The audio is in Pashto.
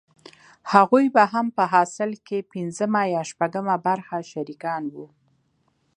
هغوې به هم په حاصل کښې پينځمه يا شپږمه برخه شريکان وو.